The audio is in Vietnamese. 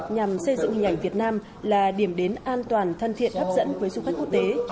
nhằm xây dựng hình ảnh việt nam là điểm đến an toàn thân thiện hấp dẫn với du khách quốc tế